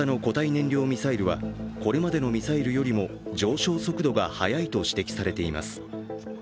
燃料ミサイルはこれまでのミサイルよりも上昇速度が速いと指摘されています。